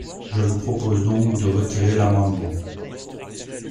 Je vous propose donc de retirer l’amendement.